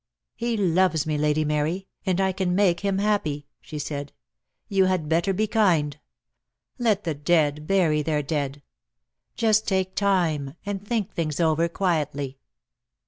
"He loves me, Lady Mary, and I can make him DEAD LOVE HAS CHAINS. 183 happy," she said. "You had better be kind. Let the dead bury their dead. Just take time, and think things over quietly."